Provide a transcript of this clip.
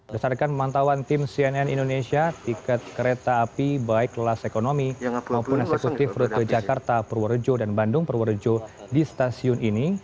berdasarkan pemantauan tim cnn indonesia tiket kereta api baik kelas ekonomi maupun eksekutif rute jakarta purworejo dan bandung purworejo di stasiun ini